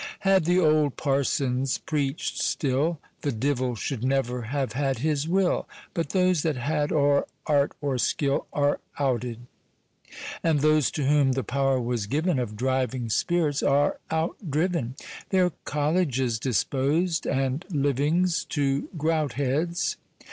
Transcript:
Had the old parsons preached still, The div'l should nev'r have had his wil; But those that had or art or skill Are outed; And those to whom the pow'r was giv'n Of driving spirits, are out driv'n; Their colledges dispos'd, and livings, To grout heads.